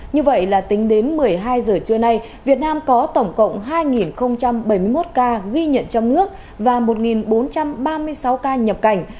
như vậy là tính đến một mươi hai giờ trưa nay việt nam có tổng cộng hai bảy mươi một ca ghi nhận trong nước và một bốn trăm ba mươi sáu ca nhập cảnh